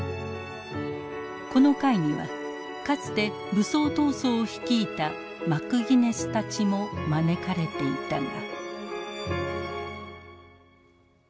この会にはかつて武装闘争を率いたマクギネスたちも招かれていたが。